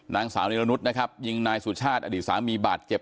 นางสาวนิรนุษย์นะครับยิงนายสุชาติอดีตสามีบาดเจ็บ